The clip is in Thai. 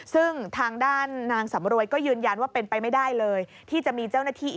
ซึ่งทางด้านนางสำรวยก็ยืนยันว่าเป็นไปไม่ได้เลยที่จะมีเจ้าหน้าที่